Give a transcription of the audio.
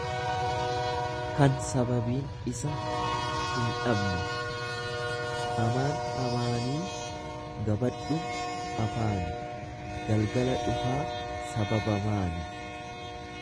kan sababiin isa hindhabne; Amaan Amaanii gabadhu afaani, galgala dhufaa sababamaanii.